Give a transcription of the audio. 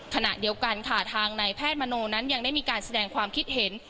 ขณะเดียวกันค่ะทางนายแพทย์มโนนั้นยังได้มีการแสดงความคิดเห็น